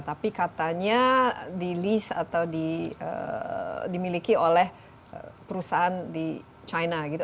tapi katanya di list atau dimiliki oleh perusahaan di china gitu